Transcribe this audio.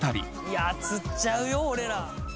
いや、つっちゃうよ、俺ら。